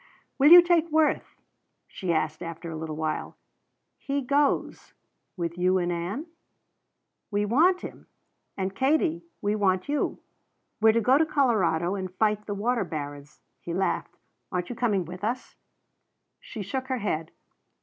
"Will you take Worth?" she asked after a little while. "He goes with you and Ann?" "We want him. And Katie, we want you. We're to go to Colorado and fight the water barons," he laughed. "Aren't you coming with us?" She shook her head.